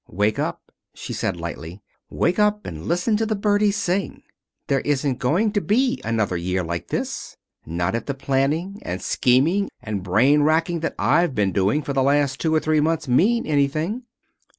"Wake up!" she said, lightly. "Wake up, and listen to the birdies sing. There isn't going to be another year like this. Not if the planning, and scheming, and brain racking that I've been doing for the last two or three months mean anything."